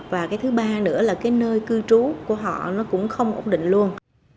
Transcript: và cái thứ ba nữa là cái nơi cư trú của họ nó cũng không ổn định luôn